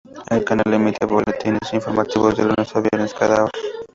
El canal emite boletines informativos de lunes a viernes cada hora.